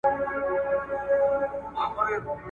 فیصلې به تل په حکم د ظالم وي !.